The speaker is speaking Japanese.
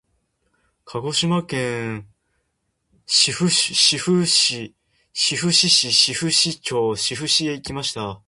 鹿児島県志布志市志布志町志布志へ行きました。